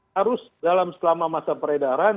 harus dalam selama masa peredaran